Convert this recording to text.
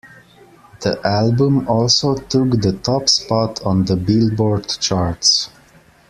The album also took the top spot on the Billboard Charts.